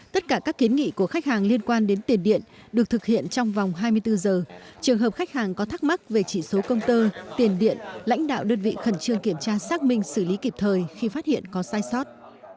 tất cả các kiến nghị của khách hàng liên quan đến tiền điện được thực hiện trong vòng hai mươi bốn giờ trường hợp khách hàng có thắc mắc về chỉ số công tơ tiền điện lãnh đạo đơn vị khẩn trương kiểm tra xác minh xử lý kịp thời khi phát hiện có sai sót